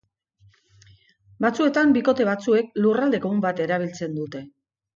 Batzuetan bikote batzuek lurralde komun bat erabiltzen dute.